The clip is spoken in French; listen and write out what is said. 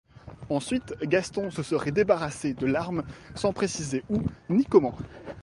Ensuite Gaston se serait débarrassé de l'arme sans préciser où ni comment.